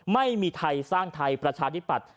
ไม่มีไทยสร้างไทยประชาธิปัตย